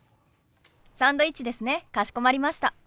サンドイッチですねかしこまりました。